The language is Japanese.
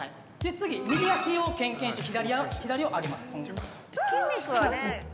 次、右足をけんけんして左を上げます。